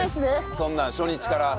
そんなん初日から。